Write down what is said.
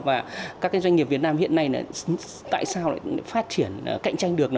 và các doanh nghiệp việt nam hiện nay tại sao lại phát triển cạnh tranh được